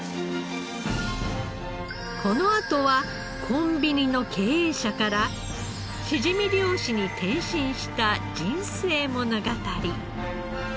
このあとはコンビニの経営者からしじみ漁師に転身した人生物語。